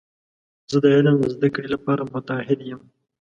زه د علم د زده کړې لپاره متعهد یم.